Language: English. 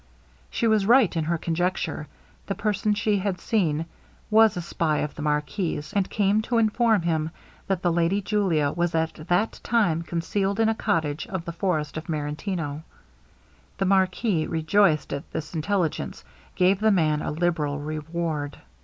She was right in her conjecture; the person she had seen was a spy of the marquis's, and came to inform him that the lady Julia was at that time concealed in a cottage of the forest of Marentino. The marquis, rejoiced at this intelligence, gave the man a liberal reward.